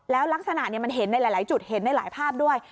แล้วลักษณะมันเห็นในหลายจุดเห็นในหลายภาพด้วย